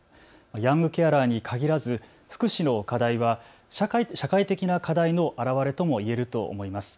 ヤングケアラーに限らず福祉の課題は社会的な課題の表れともいえると思います。